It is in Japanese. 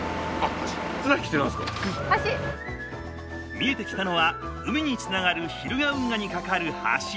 見えてきたのは海につながる日向運河に架かる橋。